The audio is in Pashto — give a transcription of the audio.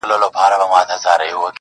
له ناکامه د قسمت په انتظار سو-